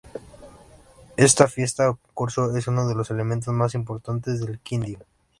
Esta fiesta o concurso es uno de los eventos más importantes del Quindío.